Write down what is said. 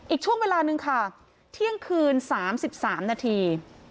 อีกช่วงเวลานึงค่ะเที่ยงคืน๓๓นาที